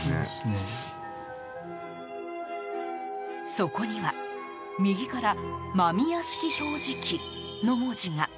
そこには、右から「間宮式標示器」の文字が。